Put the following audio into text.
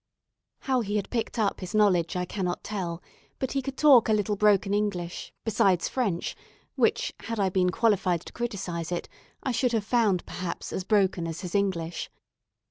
How he had picked up his knowledge I cannot tell, but he could talk a little broken English, besides French, which, had I been qualified to criticise it, I should have found, perhaps, as broken as his English.